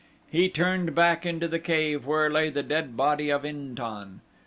He turned back into the cave where lay the dead body of In tan.